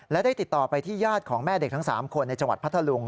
และได้ติดต่อไปที่ญาติของแม่เด็กทั้ง๓คนในจังหวัดพัทธลุง